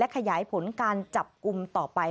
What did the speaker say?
และขยายผลการจับกุมต่อไป